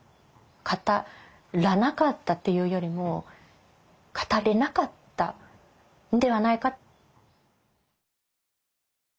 語らなかったっていうよりも語れなかったんではないか。